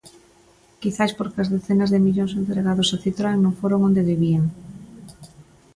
Quizais porque as decenas de millóns entregados a Citroën non foron onde debían.